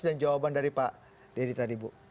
dan jawaban dari pak deddy tadi bu